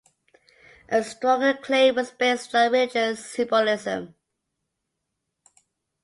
A stronger claim was based on religious symbolism.